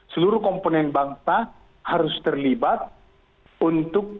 seluruh komponen bangsa harus terlibat untuk